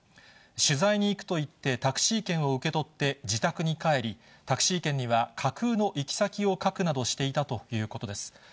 取材に行くと言ってタクシー券を受け取って自宅に帰り、タクシー券には架空の行き先を書くなどしていたということです。